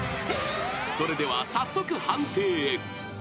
［それでは早速判定へ］